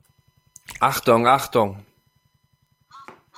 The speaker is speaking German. Achtung, Achtung!